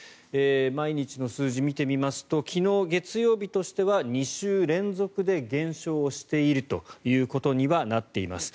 毎日の数字を見てみますと昨日月曜日としては２週連続で減少しているということにはなっています。